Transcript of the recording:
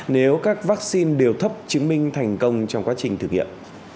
nếu các vaccine đều thấp chứng minh thành công trong quá trình thử nghiệm